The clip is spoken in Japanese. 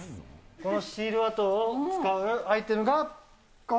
このシール跡に使うアイテム